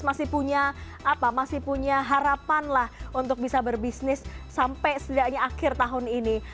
masih punya apa masih punya harapan lah untuk bisa berbisnis sampai setidaknya akhir tahun ini